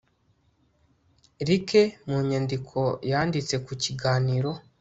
rike mu nyandiko yanditse ku Kiganiro